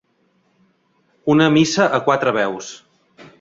Una missa a quatre veus.